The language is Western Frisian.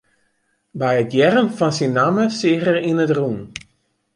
By it hearren fan syn namme seach er yn it rûn.